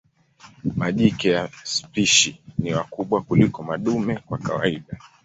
Majike ya spishi ni wakubwa kuliko madume kwa kawaida.